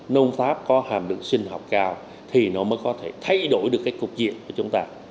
nôn pháp có hàm lượng sinh học cao thì nó mới có thể thay đổi được cái cục diện của chúng ta